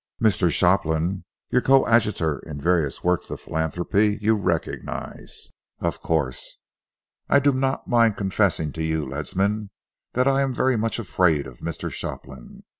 Mr. Shopland, your coadjutor in various works of philanthropy, you recognise, of course? I do not mind confessing to you, Ledsam, that I am very much afraid of Mr. Shopland.